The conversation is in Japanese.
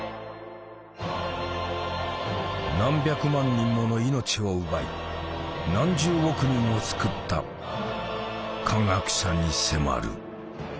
何百万人もの命を奪い何十億人を救った化学者に迫る。